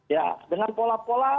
ya dengan pola pola